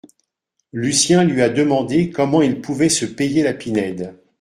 Lucien lui a demandé comment il pouvait se payer la Pinède